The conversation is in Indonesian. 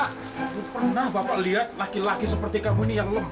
itu pernah bapak lihat laki laki seperti kamu ini yang lemah